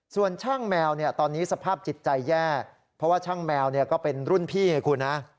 ส่วนช่างแมวตอนนี้สภาพจิตใจแย่เพราะว่าช่างแมวก็เป็นรุ่นพี่ไงคุณนะ